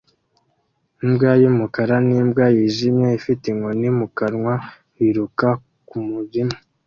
Imbwa y'umukara n'imbwa yijimye ifite inkoni mu kanwa biruka mu murima